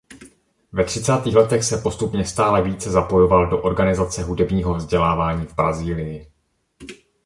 Ve třicátých letech se postupně stále více zapojoval do organizace hudebního vzdělávání v Brazílii.